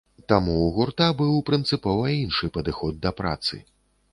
Таму ў гурта быў прынцыпова іншы падыход да працы.